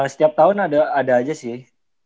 setiap tahun ada aja sih